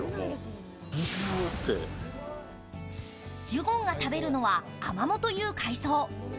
ジュゴンが食べるのはアマモという海藻。